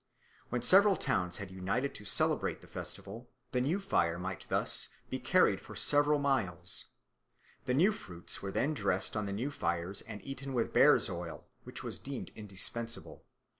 When several towns had united to celebrate the festival, the new fire might thus be carried for several miles. The new fruits were then dressed on the new fires and eaten with bear's oil, which was deemed indispensable.